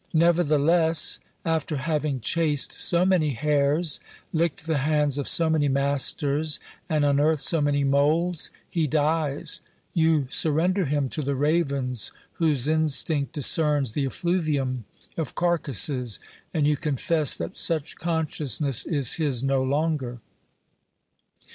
Never 2o8 OBERMANN theless, after having chased so many hares, licked the hands of so many masters and unearthed so many moles, he dies ; you surrender him to the ravens whose instinct discerns the effluvium of carcases ; and you confess that such con sciousness is his no longer.